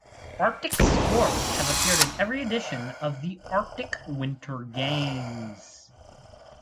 Arctic sports have appeared in every edition of the Arctic Winter Games.